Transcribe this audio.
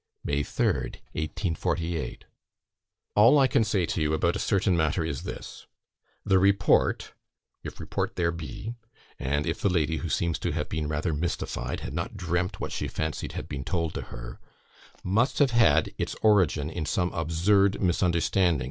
"May 3rd, 1848. "All I can say to you about a certain matter is this: the report if report there be and if the lady, who seems to have been rather mystified, had not dreamt what she fancied had been told to her must have had its origin in some absurd misunderstanding.